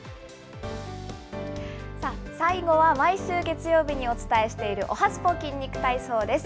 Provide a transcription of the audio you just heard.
最後は毎週月曜日にお伝えしている、おはＳＰＯ筋肉体操です。